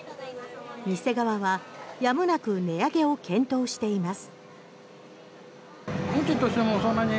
店側は、やむなく値上げを検討しています。